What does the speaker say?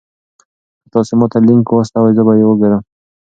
که تاسي ما ته لینک واستوئ زه به یې وګورم.